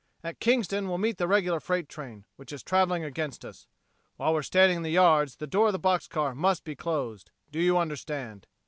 At Kingston we'll meet the regular freight train, which is traveling against us. While we're standing in the yards the door of the box car must be closed. Do you understand?"